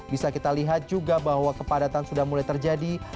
bisa kita lihat juga bahwa kepadatan sudah mulai terjadi